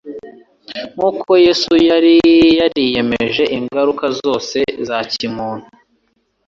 nk’uko Yesu yari yariyemeje ingaruka zose za kimuntu.